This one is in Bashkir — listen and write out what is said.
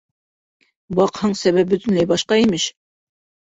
Баҡһаң, сәбәп бөтөнләй башҡа, имеш.